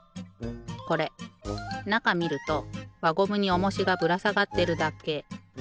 これなかみるとわゴムにおもしがぶらさがってるだけ。